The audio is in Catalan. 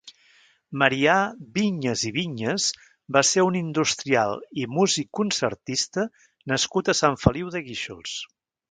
Marià Vinyas i Vinyas va ser un industrial i músic concertista nascut a Sant Feliu de Guíxols.